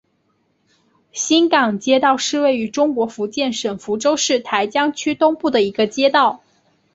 新港街道是位于中国福建省福州市台江区东部的一个街道。